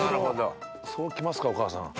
そうきますかお母さん。